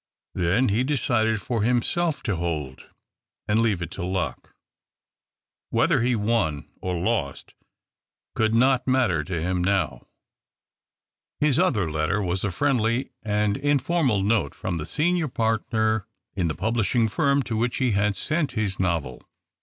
Then he decided for himself to hold and leave it to luck. Whether he won or lost could not matter to him now. 238 THE OCTAVE OF CLAUDIUS. His other letter was a friendly and informal note from the senior partner in the publishing firm, to which he had sent his novel.